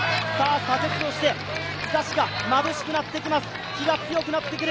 左折をして、日ざしがまぶしくなってきます、日が強くなってくる。